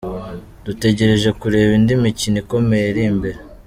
Dutegereje kureba indi mikino ikomeye iri imbere.